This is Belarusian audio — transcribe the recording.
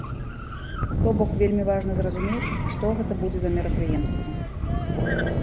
То бок вельмі важна зразумець, што гэта будзе за мерапрыемства.